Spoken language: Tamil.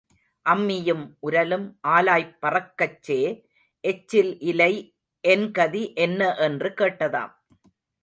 அம்மியும் உரலும் ஆலாய்ப் பறக்கச்சே எச்சில் இலை என்கதி என்ன என்று கேட்டதாம்.